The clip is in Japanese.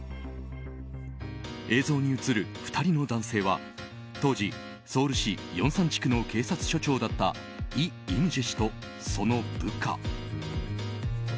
映像に映る２人の男性は当時ソウル市ヨンサン地区の警察署長だったイ・イムジェ氏とその部下。